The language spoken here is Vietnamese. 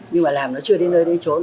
nhưng mà làm nó chưa đến nơi để trốn